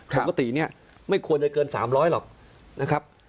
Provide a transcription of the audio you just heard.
ปกติไม่ควรจะเกิน๓๐๐หรอก